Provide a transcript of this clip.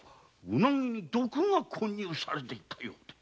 ウナギに毒が混入されていたようで。